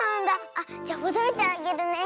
あっじゃほどいてあげるね。